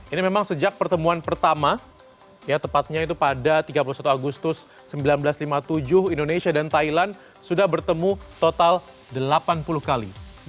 ini memang sejak pertemuan pertama ya tepatnya itu pada tiga puluh satu agustus seribu sembilan ratus lima puluh tujuh indonesia dan thailand sudah bertemu total delapan puluh kali